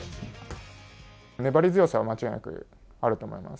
粘り強さは間違いなくあると思います。